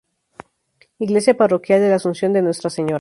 Iglesia parroquial de la Asunción de Nuestra Señora